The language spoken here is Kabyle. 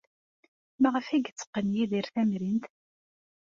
Maɣef ay yetteqqen Yidir tamrint?